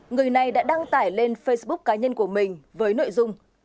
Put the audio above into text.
người này đã đăng tải lên facebook cá nhân của mình với nội dung